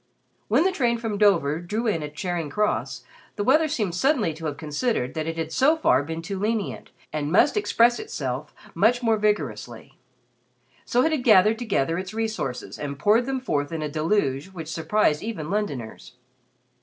When the train from Dover drew in at Charing Cross, the weather seemed suddenly to have considered that it had so far been too lenient and must express itself much more vigorously. So it had gathered together its resources and poured them forth in a deluge which surprised even Londoners.